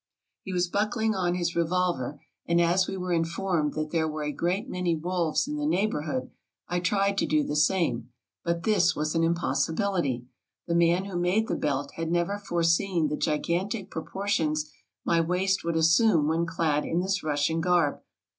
'' He was buckling on his revolver; and as we were in formed that there were a great many wolves in the neigh borhood, I tried to do the same; but this was an impossi bility. The man who made the belt had never foreseen the gigantic proportions my waist would assume when clad in this Russian garb.